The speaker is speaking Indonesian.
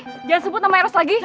jangan sebut nama eros lagi